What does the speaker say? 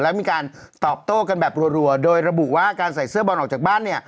แล้วมีการตอบโต้กันแบบรัวโดยระบุว่าการใส่เสื้อบอลออกจากบ้านเนี่ย